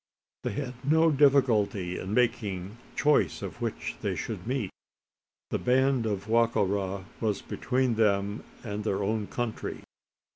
They had no difficulty in making choice of which they should meet. The band of Wa ka ra was between them and their own country.